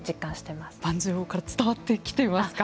盤上から伝わってきていますか。